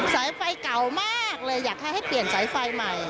สายไฟเก่ามากเลยอยากให้เปลี่ยนสายไฟใหม่